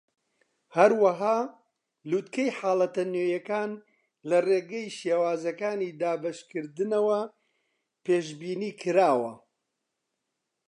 هەروەها، لووتکەی حاڵەتە نوێیەکان لە ڕێگەی شێوازەکانی دابەشکردنەوە پێشبینیکراوە.